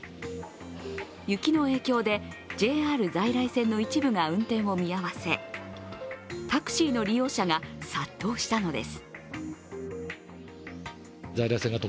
雪の影響でＪＲ在来線の一部が運転を見合わせタクシーの利用者が殺到したのです。